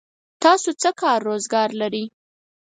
تاسو څه کار روزګار لرئ؟